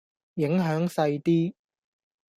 影響細啲